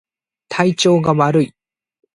体調が悪い